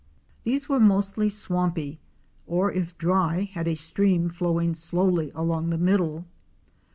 These were mostly swampy, or if dry had a stream flowing slowly along the middle.